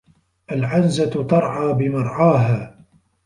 العنزة ترعى بمرعاها